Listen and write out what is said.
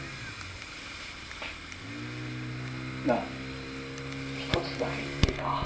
なあ一つだけ言っていいか？